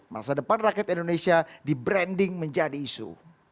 masa depan rakyat indonesia di branding menjadi isu